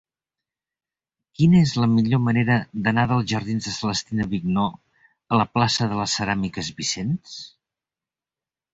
Quina és la millor manera d'anar dels jardins de Celestina Vigneaux a la plaça de les Ceràmiques Vicens?